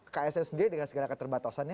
ksn sendiri dengan segala keterbatasannya